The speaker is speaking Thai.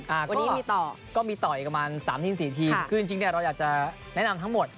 วันนี้มีต่อก็มีต่ออีกกว่า๓๔ทีมคือจริงเราอยากจะแนะนำทั้งหมด